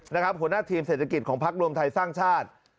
หัวหน้าทีมเศรษฐกิจของพักรวมไทยสร้างชาติ